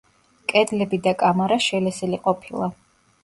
კედლები და კამარა შელესილი ყოფილა.